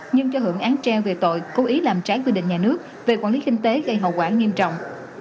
nhưng cho hưởng án treo về tội cố ý làm trái quy định nhà nước về quản lý kinh tế gây hậu quả nghiêm trọng